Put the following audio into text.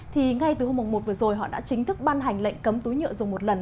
thì ngay từ hôm một vừa rồi họ đã chính thức ban hành lệnh cấm túi nhựa dùng một lần